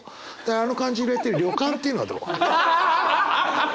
あの漢字入れて「旅舘」っていうのはどう？